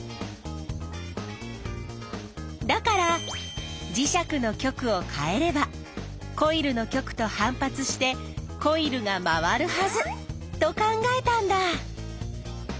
だから磁石の極を変えればコイルの極と反発してコイルが回るはずと考えたんだ。